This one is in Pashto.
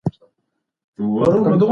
هره تجربه چې ثابته وي، شک نه زیاتوي.